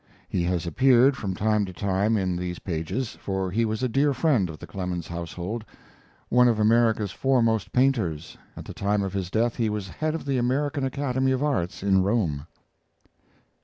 He has appeared from time to time in these pages, for he was a dear friend of the Clemens household. One of America's foremost painters; at the time of his death he was head of the American Academy of Arts in Rome.